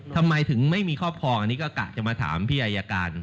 ทำไมถึงไม่มีครอบครองอันนี้ก็กะจะมาถามพี่อายการ